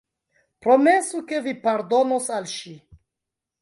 Promesu, ke vi pardonos al ŝi!